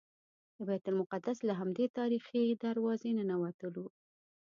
د بیت المقدس له همدې تاریخي دروازې ننوتلو.